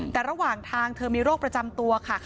แต่ระหว่างทางเธอมีโรคประจำตัวค่ะ